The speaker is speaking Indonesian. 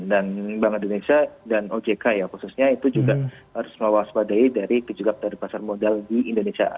dan bank indonesia dan ojk ya khususnya itu juga harus mewaspadai dari kejegak dari pasar modal di indonesia